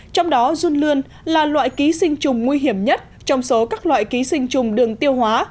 trong đó run lươn là loại ký sinh trùng nguy hiểm nhất trong số các loại ký sinh trùng đường tiêu hóa